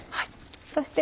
そして。